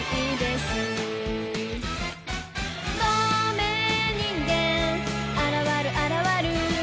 「透明人間あらわるあらわる